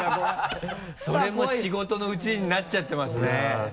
それも仕事のうちになっちゃってますね。